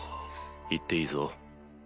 行っていいぞ。